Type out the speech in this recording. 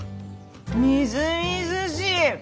みずみずしい！